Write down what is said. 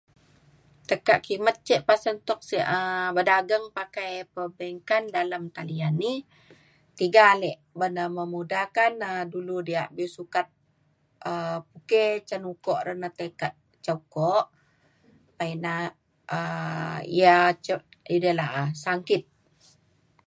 tekak kimet ke' pasen tok sik um bedagang pakai perbankan dalem talian ni tiga alik ban e memudahkan um dulu um diak be' sukat um pukey cen ukuk re na tai ke ca kok ina um iya cok edai la'a sangkit